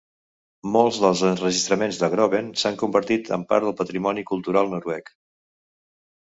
Molts dels enregistraments de Groven s'han convertit en part del patrimoni cultural noruec.